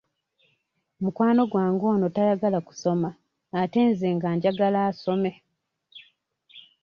Mukwano gwange ono tayagala kusoma ate nze nga njagala asome.